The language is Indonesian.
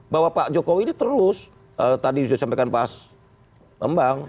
bahwa pak jokowi ini terus tadi sudah disampaikan pak bambang